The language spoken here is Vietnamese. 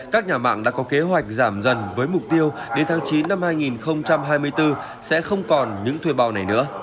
các nhà mạng đã có kế hoạch giảm dần với mục tiêu đến tháng chín năm hai nghìn hai mươi bốn sẽ không còn những thuê bao này nữa